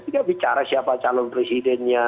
dia bicara siapa calon presidennya